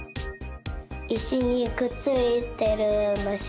いしにくっついてるむし。